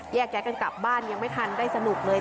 แยกย้ายกันกลับบ้านยังไม่ทันได้สนุกเลย